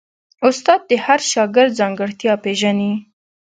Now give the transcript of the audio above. استاد د هر شاګرد ځانګړتیا پېژني.